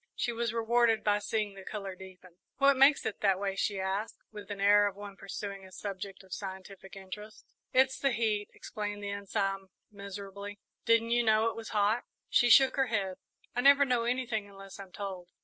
She was rewarded by seeing the colour deepen. "What makes it that way?" she asked, with the air of one pursuing a subject of scientific interest. "It's the heat," explained the Ensign, miserably; "didn't you know it was hot?" She shook her head. "I never know anything unless I'm told."